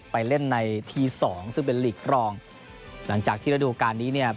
ไปเล่นในทีสองซึ่งเป็นหลีกรองหลังจากที่ระดูการนี้เนี่ย